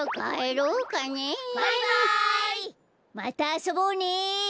またあそぼうね！